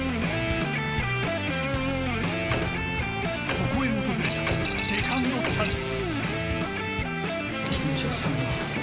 そこへ訪れたセカンドチャンス。